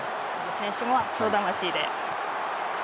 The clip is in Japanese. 選手も熱男魂で。